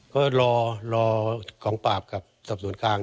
ก็รอกองปราบกับสอบสวนกลาง